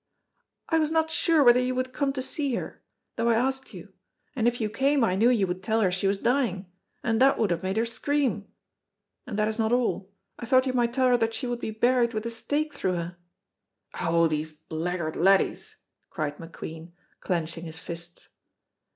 "I was not sure whether you would come to see her, though I asked you, and if you came I knew you would tell her she was dying, and that would have made her scream. And that is not all, I thought you might tell her that she would be buried with a stake through her " "Oh, these blackguard laddies!" cried McQueen, clenching his fists.